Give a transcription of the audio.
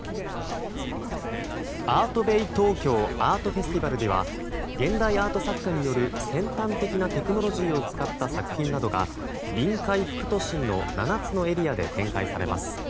ＡＲＴＢＡＹＴＯＫＹＯアートフェスティバルでは現代アート作家による先端的なテクノロジーを使った作品などが臨海副都心の７つのエリアで展開されます。